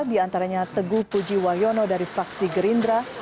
diantaranya tegu pujiwayono dari fraksi gerindra